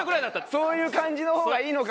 そういう感じの方がいいのか。